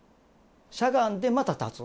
しゃがんでまた立つ。